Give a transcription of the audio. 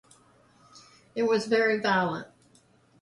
It was very violent.